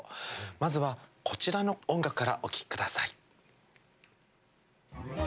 まずはこちらの音楽からお聴きください。